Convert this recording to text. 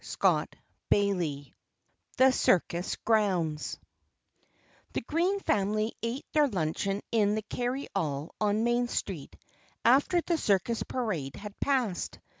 XXII THE CIRCUS GROUNDS The Green family ate their luncheon in the carryall on Main Street, after the circus parade had passed.